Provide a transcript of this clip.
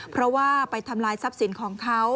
เพราะว่าไปทำลายทรัพย์สินของเขา